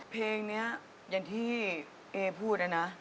เพลงนี้อย่างที่เอพูดนะนะ